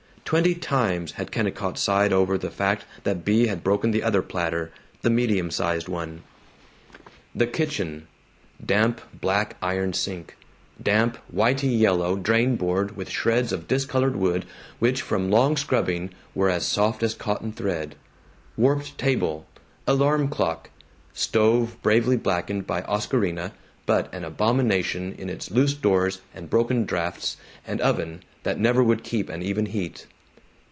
Twenty times had Kennicott sighed over the fact that Bea had broken the other platter the medium sized one. The kitchen. Damp black iron sink, damp whitey yellow drain board with shreds of discolored wood which from long scrubbing were as soft as cotton thread, warped table, alarm clock, stove bravely blackened by Oscarina but an abomination in its loose doors and broken drafts and oven that never would keep an even heat.